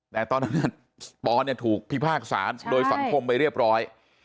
แต่ตอนนั้นสปอนถูกพิพากษาโดยสังคมไปเรียบร้อย